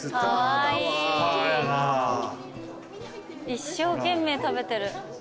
一生懸命食べてる。